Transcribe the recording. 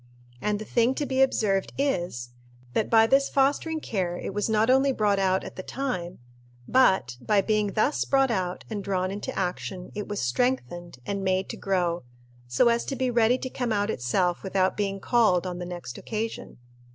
And the thing to be observed is, that by this fostering care it was not only brought out at the time, but, by being thus brought out and drawn into action, it was strengthened and made to grow, so as to be ready to come out itself without being called, on the next occasion.